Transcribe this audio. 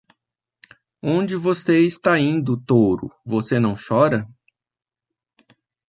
Onde você está indo, touro, você não chora?